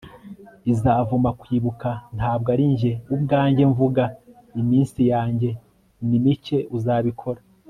izavuma kwibuka. ntabwo ari njye ubwanjye mvuga; iminsi yanjye ni mike. uzabikora